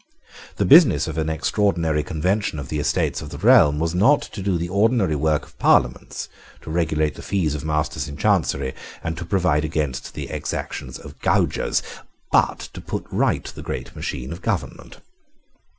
The business of an extraordinary convention of the Estates of the Realm was not to do the ordinary work of Parliaments, to regulate the fees of masters in Chancery, and to provide against the exactions of gaugers, but to put right the great machine of government.